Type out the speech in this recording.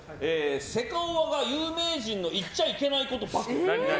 セカオワが有名人の言っちゃいけないこと暴露。